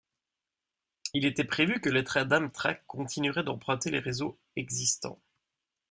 Il était prévu que les trains d'Amtrak continueraient d'emprunter les réseaux existants.